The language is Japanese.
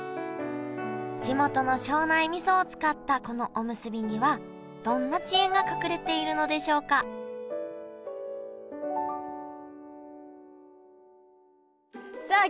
地元の庄内みそを使ったこのおむすびにはどんな知恵が隠れているのでしょうかさあ